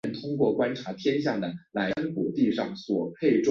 本线自开办以来从未做过永久性的路线改动。